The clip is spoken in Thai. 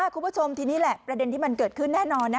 คุณผู้ชมทีนี้แหละประเด็นที่มันเกิดขึ้นแน่นอน